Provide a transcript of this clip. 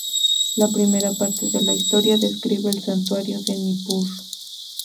La primera parte de la historia describe el santuario de Nippur.